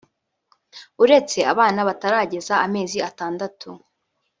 uretse abana batarageza amezi atandatu